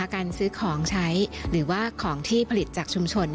การซื้อของใช้หรือว่าของที่ผลิตจากชุมชน